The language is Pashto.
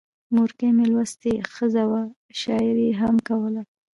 مورکۍ مې لوستې ښځه وه، شاعري یې هم کوله.